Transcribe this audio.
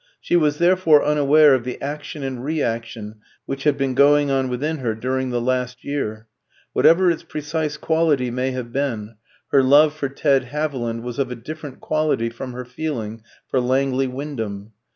She was therefore unaware of the action and reaction which had been going on within her during the last year. Whatever its precise quality may have been, her love for Ted Haviland was of a different quality from her feeling for Langley Wyndham.